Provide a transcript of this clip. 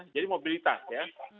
jadi mobilitas ya